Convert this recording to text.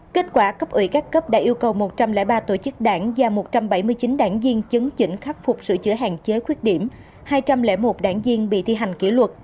kết quả cấp ủy các cấp đã yêu cầu một trăm linh ba tổ chức đảng và một trăm bảy mươi chín đảng viên chấn chỉnh khắc phục sửa chữa hạn chế khuyết điểm hai trăm linh một đảng viên bị thi hành kỷ luật